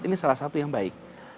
ini salah satu yang baik